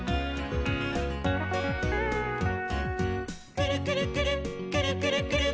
「くるくるくるっくるくるくるっ」